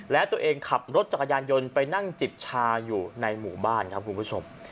และตัวเองขับรถจักรยานยนต์ไปนั่งจิบชาอยู่ในหมู่บ้านครับคุณผู้ชม